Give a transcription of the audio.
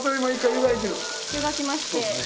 ゆがきまして。